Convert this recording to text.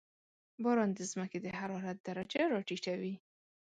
• باران د زمکې د حرارت درجه راټیټوي.